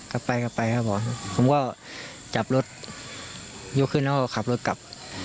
กลับไปกลับไปครับผมผมก็จับรถยกขึ้นแล้วก็ขับรถกลับ